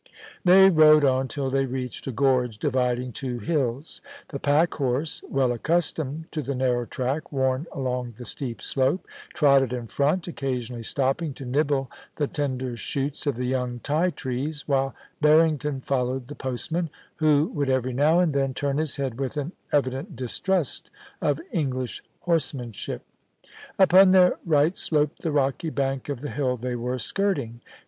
* They rode on till they reached a gorge dividing two hills. The pack horse, well accustomed to the narrow track worn along the steep slope, trotted in front, occasionally stopping to nibble the tender shoots of the young ti trees, while Barrington followed the postman, who would every now and then turn his head with an evident distrust of English horse manship. Upon their right sloped the rocky bank of the hill they were skirting.